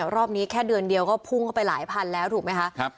รอบนี้แค่เดือนเดียวก็พุ่งเข้าไปหลายพันแล้วถูกไหมคะ